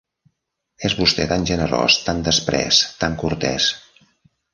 És vostè tan generós, tan desprès, tan cortès.